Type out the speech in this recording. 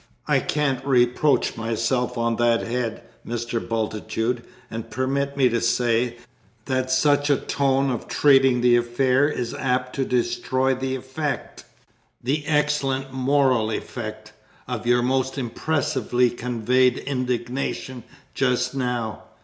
"I can't reproach myself on that head, Mr. Bultitude; and permit me to say, that such a tone of treating the affair is apt to destroy the effect, the excellent moral effect, of your most impressively conveyed indignation just now.